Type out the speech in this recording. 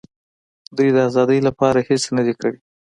دوی د آزادۍ لپاره هېڅ نه دي کړي.